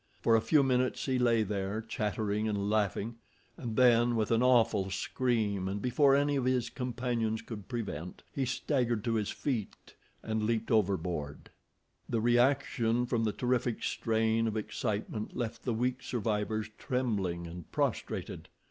For a few minutes he lay there chattering and laughing, and then, with an awful scream, and before any of his companions could prevent, he staggered to his feet and leaped overboard. The reaction from the terrific strain of excitement left the weak survivors trembling and prostrated.